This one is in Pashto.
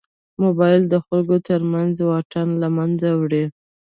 موبایل د خلکو تر منځ واټن له منځه وړي.